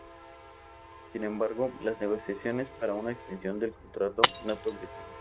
Sin embargo, las negociaciones para una extensión del contrato no progresaron.